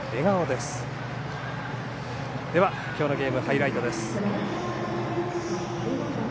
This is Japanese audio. では今日のゲームのハイライトです。